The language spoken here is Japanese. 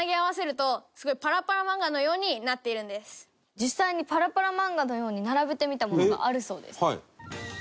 実際にパラパラ漫画のように並べてみたものがあるそうです。